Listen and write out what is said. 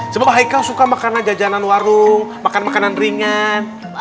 sebab haikal suka makanan jajanan warung makan makanan ringan